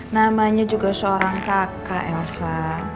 namanya juga seorang kakak elsa